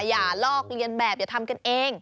อย่าลอกเลียนแบบอย่าทำกันเอง